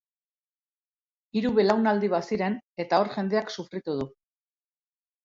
Hiru belaunaldi baziren, eta hor jendeak sufritu du.